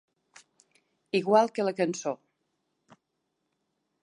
Igual que la cançó.